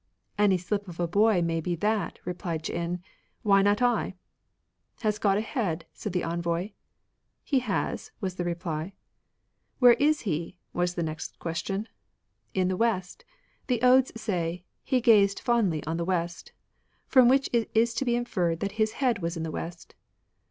"Any slip of a boy may be that," replied Ch'in ;" why not I ?"" Has God a head ?" said the envoy. " He has," was the reply. " Where is He ?" was the next question. " In the West. The Odes say, He gazed fondly on the West. From which it is to be inferred that his head was in the West."